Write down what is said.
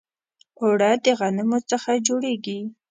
اوړه د غنمو څخه جوړیږي